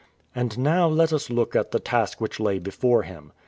And now let us look at the task which lay before him.